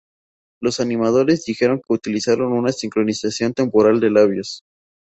Los animadores dijeron que utilizaron una sincronización temporal de labios.